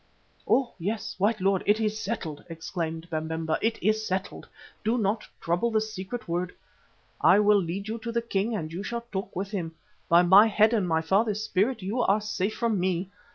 "Oh! yes, white lord, it is settled," exclaimed Babemba, "it is settled. Do not trouble the secret word. I will lead you to the king and you shall talk with him. By my head and my father's spirit you are safe from me.